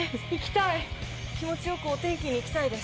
気持ちよくお天気にいきたいです！